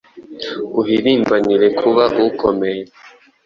Uhirimbanire kuba ukomeye